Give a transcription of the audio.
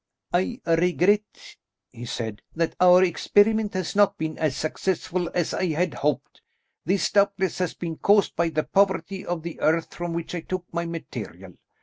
"I regret," he said, "that our experiment has not been as successful as I had hoped. This doubtless has been caused by the poverty of the earth from which I took my material.